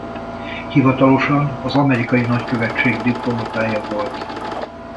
Hivatalosan az amerikai nagykövetség diplomatája volt.